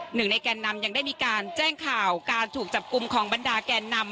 หนึ่งในแกนนำยังได้มีการแจ้งข่าวการถูกจับกลุ่มของบรรดาแกนนำ